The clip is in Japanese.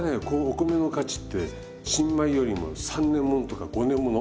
お米の価値って新米よりも３年ものとか５年もの。へ。